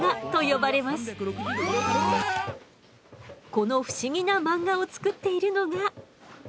この不思議な漫画を作っているのが。